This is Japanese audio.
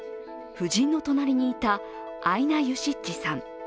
夫人の隣にいたアイナ・ユシッチさん。